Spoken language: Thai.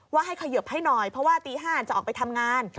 ว่าให้ขยิบให้หน่อยเพราะว่าตี๕จะออกไปทำงาน